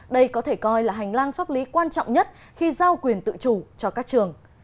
đây có thể coi là hành lang pháp lý quan trọng nhất khi giao quyền tự chủ cho các trường